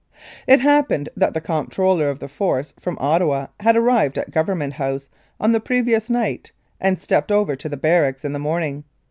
It happened that the Comptroller of the Force from Ottawa had arrived at Government House on the pre vious night, and stepped over to the barracks in the morning.